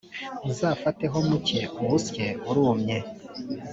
uzafateho muke uwusye urumye